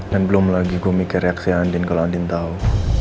dan belum lagi gue mikir reaksi andien kalau andien tahu